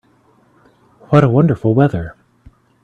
What a wonderful weather!